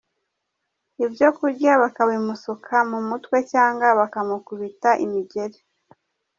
Ibyo kunywa bakabimusuka mu mutwe cyangwa bakamukubita imigeri.